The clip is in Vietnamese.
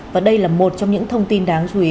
và đây là một trong những thông tin đáng chú ý